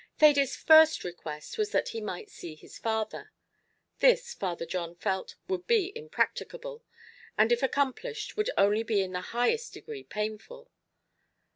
Thady's first request was that he might see his father. This, Father John felt, would be impracticable, and if accomplished would only be in the highest degree painful.